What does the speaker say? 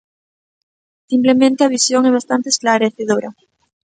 Simplemente a visión é bastante esclarecedora.